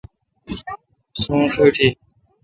سونش ایٹی۔